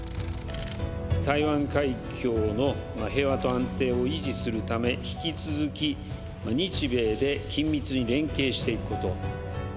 台湾海峡の平和と安定を維持するため、引き続き日米で緊密に連携していくこと。